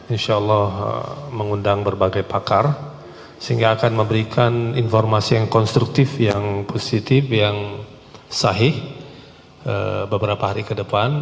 insya allah mengundang berbagai pakar sehingga akan memberikan informasi yang konstruktif yang positif yang sahih beberapa hari ke depan